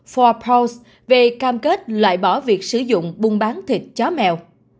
bốn pals về cam kết loại bỏ việc sử dụng buôn bán thịt chó mèo